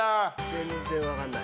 全然分かんない。